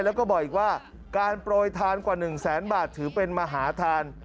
แล้วก็บอกอีกว่าการโปรยทานกว่า๑แสนบาทถือเป็นมหาทาน